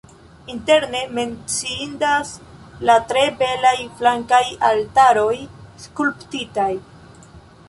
Interne menciindas la tre belaj flankaj altaroj skulptitaj.